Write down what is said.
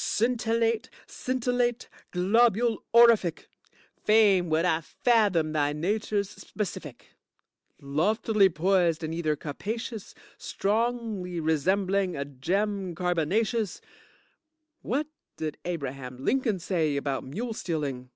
Scintillate, scintillate, Globule orific. Fain would I fathom thy nature's specific. Loftily poised in ether capacious, strongly resembling a gem carbonacious. What did Abraham Lincoln say about mule stealing?